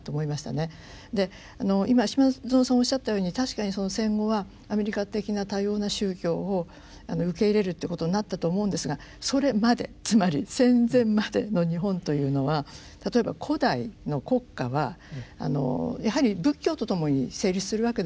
で今島薗さんおっしゃったように確かに戦後はアメリカ的な多様な宗教を受け入れるということになったと思うんですがそれまでつまり戦前までの日本というのは例えば古代の国家はやはり仏教とともに成立するわけですよ。